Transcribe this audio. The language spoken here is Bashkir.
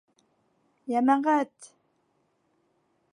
— Йәмәғәт!!!